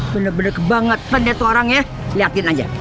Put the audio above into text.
bener bener banget pendet orang ya liatin aja